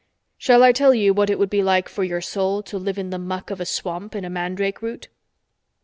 "Shall I tell you what it would be like for your soul to live in the muck of a swamp in a mandrake root?"